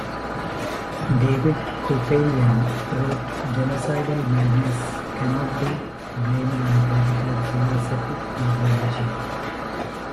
David Kupelian wrote, Genocidal madness can't be blamed on a particular philosophy or religion.